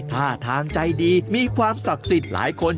ท่าทางใจดีมีความศักดิ์สิทธิ์หลายคน